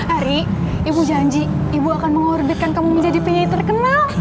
ari ibu janji ibu akan mengorbitkan kamu menjadi penyanyi terkenal